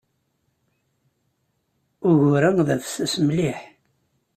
Ugur-a d afessas mliḥ.